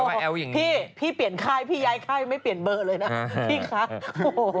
พี่พี่เปลี่ยนไข้พี่ย้ายไข้ไม่เปลี่ยนเบอร์เลยนะพี่คะ